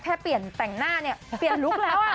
แค่เปลี่ยนแต่งหน้าเนี่ยเปลี่ยนลุคแล้วค่ะ